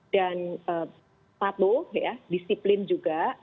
dan patuh ya disiplin juga